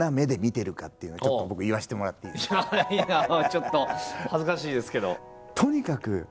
ちょっと恥ずかしいですけど。